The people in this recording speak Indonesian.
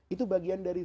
itu bagian dari zikir